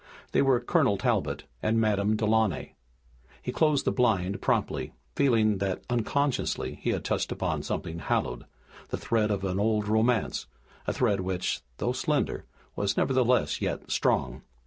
They were Colonel Talbot and Madame Delaunay. He closed the blind promptly, feeling that unconsciously he had touched upon something hallowed, the thread of an old romance, a thread which, though slender, was nevertheless yet strong.